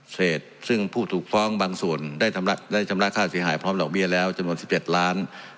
เศษซึ่งผู้ถูกฟ้องบางส่วนได้ชำระค่าเสียหายพร้อมดอกเบี้ยแล้วจำนวน๑๗ล้าน